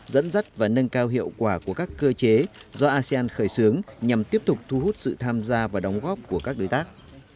dẫn dắt và nâng cao hiệu quả của các cơ chế do asean khởi xướng nhằm tiếp tục thu hút sự tham gia và đóng góp của các đối tác